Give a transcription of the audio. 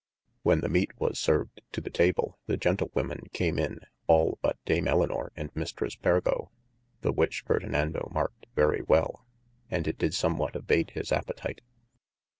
When the meate was served to the table, the Gentlewomen came in all but Dame Elynor and Mistresse Pergo, the which Ferdinando marked very well, and it dyd somewhat abate his apetite.